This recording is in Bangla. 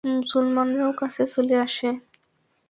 মুসলমানরাও কাছে চলে আসে।